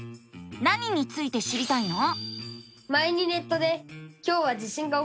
何について知りたいの？